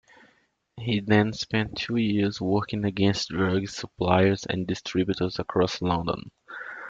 He then spent two years working against drugs suppliers and distributors across London.